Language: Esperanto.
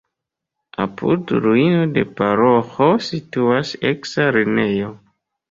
Apud ruino de paroĥo situas eksa lernejo.